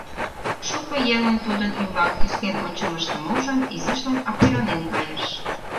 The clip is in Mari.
Шуко еҥын тудын ӱмбак тӱслен ончымыштым ужын, изишлан аптранен кайыш.